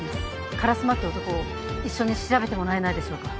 烏丸って男を一緒に調べてもらえないでしょうか？